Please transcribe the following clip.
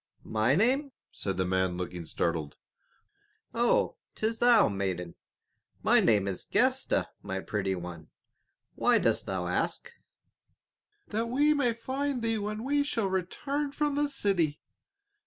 "My name?" said the man looking startled, "Oh, 'tis thou, maiden. My name is Gestas, my pretty one. Why dost thou ask?" "That we may find thee when we shall return from the city.